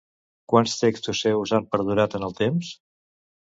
Quants textos seus han perdurat en el temps?